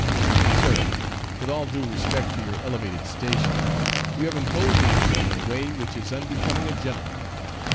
"Sir, with all due respect to your elevated station, you have imposed upon me in a way which is unbecoming a gentleman.